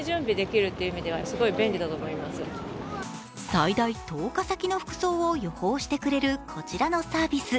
最大１０日先の服装を予報してくれる、こちらのサービス。